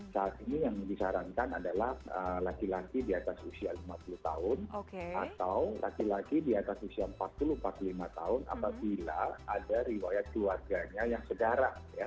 saat ini yang disarankan adalah laki laki di atas usia lima puluh tahun atau laki laki di atas usia empat puluh empat puluh lima tahun apabila ada riwayat keluarganya yang sedara